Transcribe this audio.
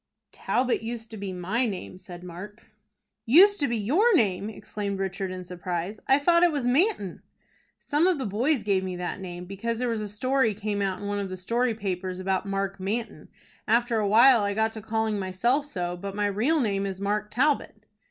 "Talbot used to be my name," said Mark. "Used to be your name!" exclaimed Richard, in surprise. "I thought it was Manton." "Some of the boys gave me that name, because there was a story came out in one of the story papers about Mark Manton. After a while I got to calling myself so, but my real name is Mark Talbot."